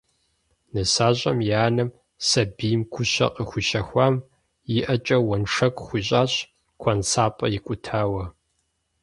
Нысащӏэм и анэм, сэбийм гущэ къыхуищэхуам, и ӏэкӏэ уэншэку хуищӏащ куэнсапӏэ икӏутауэ.